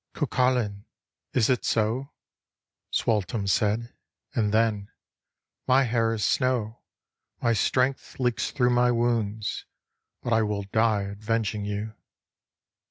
" Cuculain, is it so ?" Sualtem said, and then, " My hair is snow, My strength leaks thro' my wounds, but I will die r Avenging you."